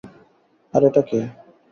আর এটা কে?